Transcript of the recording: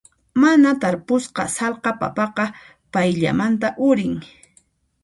Mana tarpusqa sallqa papaqa payllamanta urin.